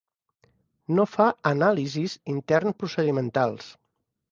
No fa anàlisis intern-procedimentals.